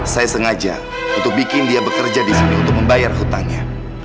saya sengaja untuk bikin dia bekerja di sini untuk membayar hutangnya